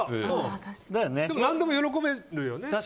何でも喜べるよね。